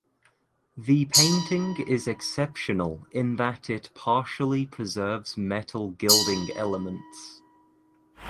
The painting is exceptional in that it partially preserves metal gilding elements.